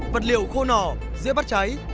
vật liệu khô nỏ dĩa bắt cháy